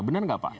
benar nggak pak